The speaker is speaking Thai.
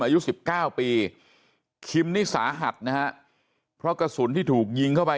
อายุ๑๙ปีคิมนี่สาหัสนะฮะเพราะกระสุนที่ถูกยิงเข้าไป